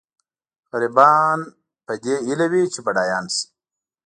غریبان په دې هیله وي چې بډایان شي.